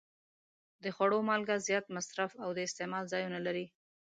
د خوړو مالګه زیات مصرف او د استعمال ځایونه لري.